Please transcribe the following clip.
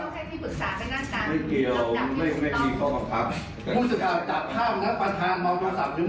ผมสังเกตประธานก็ไม่มองโทรศัพท์ประธานมองอย่างอื่น